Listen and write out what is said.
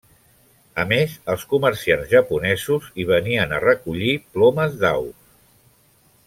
A més, els comerciants japonesos hi venien a recollir plomes d'aus.